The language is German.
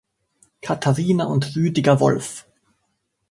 Katharina und Rüdiger Wolff